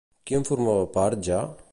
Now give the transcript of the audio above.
Qui en formava part ja?